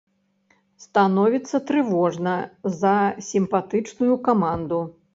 Становіцца трывожна за сімпатычную каманду.